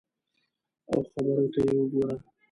او خبرو ته یې وګوره !